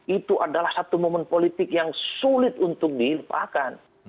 itu adalah satu momen politik yang sulit untuk dilupakan